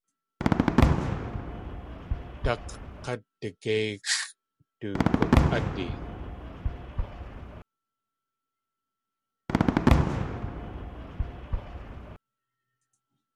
Dak̲kadigéixʼ du guk.ádi.